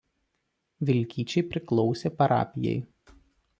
Vilkyčiai priklausė parapijai.